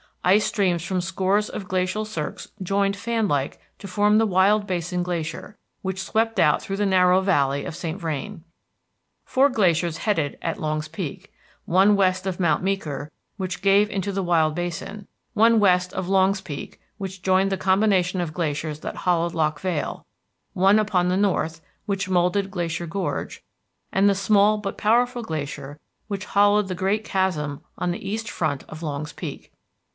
Ice streams from scores of glacial cirques joined fan like to form the Wild Basin Glacier, which swept out through the narrow valley of St. Vrain. Four glaciers headed at Longs Peak, one west of Mount Meeker, which gave into the Wild Basin; one west of Longs Peak, which joined the combination of glaciers that hollowed Loch Vale; one upon the north, which moulded Glacier Gorge; and the small but powerful glacier which hollowed the great Chasm on the east front of Longs Peak.